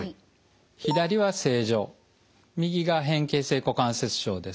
左は正常右が変形性股関節症です。